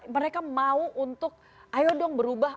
mereka mau untuk ayo dong berubah